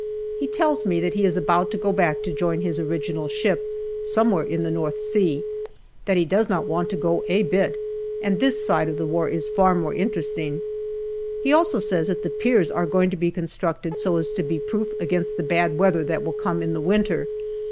He tells me that he is about to go back to join his original ship, somewhere in the North Sea ; that he does not want to go a bit, and this side of the war is far more interesting. He also says that the piers are going to be constructed so as to be proof against the bad weather that will come in the winter.